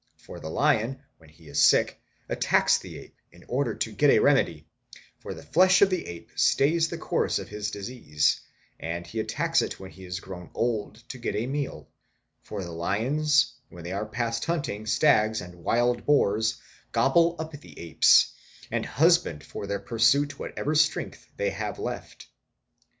For the lion, when _ he is sick, attacks the ape in order to get a remedy, for the flesh of the ape stays the course of his _ disease ; and he attacks it when he is grown old to get a meal, for the lions when they are past hunting _ stags and wild boars gobble up the apes, and husband for their pursuit whatever strength they have left.